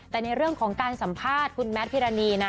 แต่ในเรื่องของการสัมภาษณ์คุณแมทพิรณีนะ